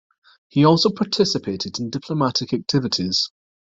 He also participated in diplomatic activities.